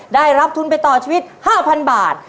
ได้รับทุนไปต่อชีวิต๕๐๐๐บาท